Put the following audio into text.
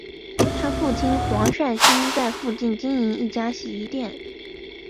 她父亲黄善兴在附近经营一家洗衣店。